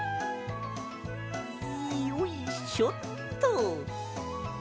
よいしょっと！